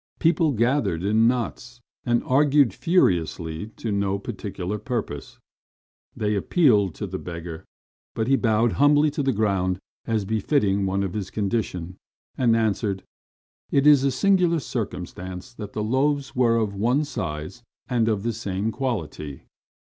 People gathered in knots and argued furiously to no particular purpose. They appealed to the beggar, but he bowed humbly to the ground, as befitted one of his condition, and answered: "It is a singular circumstance that the loaves were of one size and of the same quality.